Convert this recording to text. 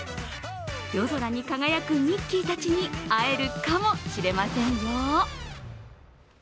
夜空に輝くミッキーたちに会えるかもしれませんよ。